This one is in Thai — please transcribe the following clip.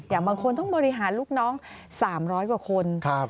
อย่างบางคนต้องมีลูกน้อง๓๐๐กว่าคน